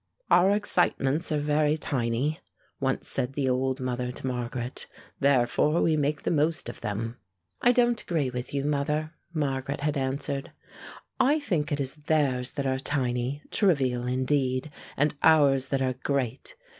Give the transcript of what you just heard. "Our excitements are very tiny," once said the old mother to Margaret, "therefore we make the most of them." "I don't agree with you, mother," Margaret had answered. "I think it is theirs that are tiny trivial indeed, and ours that are great.